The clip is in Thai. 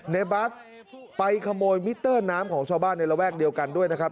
บัสไปขโมยมิเตอร์น้ำของชาวบ้านในระแวกเดียวกันด้วยนะครับ